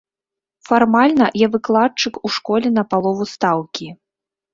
Фармальна, я выкладчык у школе на палову стаўкі.